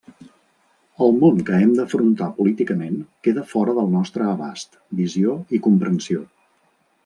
El món que hem d’afrontar políticament queda fora del nostre abast, visió i comprensió.